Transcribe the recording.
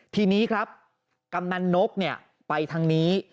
ทีนี้ครับกำนันนกไปทางนี้